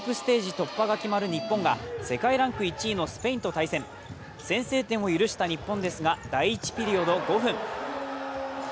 突破が決まる日本が世界ランク１位のスペインと対戦。先制点を許した日本ですが、第１ピリオド５分。